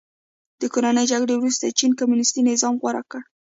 د کورنۍ جګړې وروسته چین کمونیستي نظام غوره کړ.